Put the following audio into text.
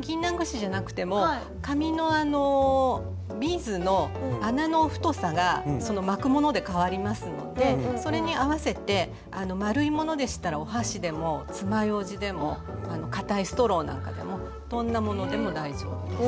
ぎんなん串じゃなくても紙のあのビーズの穴の太さがその巻くもので変わりますのでそれに合わせて丸いものでしたらお箸でもつまようじでもかたいストローなんかでもどんなものでも大丈夫です。